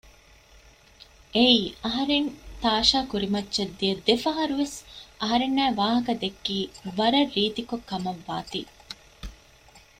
އެއީ އަހަރެން ތާޝާ ކުރިމައްޗައް ދިޔަ ދެފަހަރުވެސް އަހަރެންނާއި ވާހަކަ ދެއްކީ ވަރަށް ރީތިކޮށް ކަމައްވާތީ